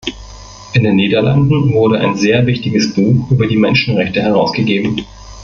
In den Niederlanden wurde ein sehr wichtiges Buch über die Menschenrechte herausgegeben.